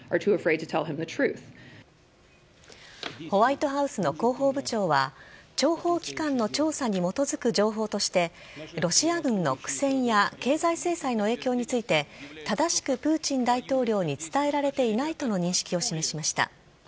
ホワイトハウスの広報部長は諜報機関の調査に基づく情報としてロシア軍の苦戦や経済制裁の影響について正しくプーチン大統領に伝えられていないとの認識を示しました。